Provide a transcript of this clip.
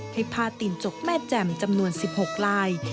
ให้ผ้าตินจกแม่แจ่มจำนวน๑๖ลาย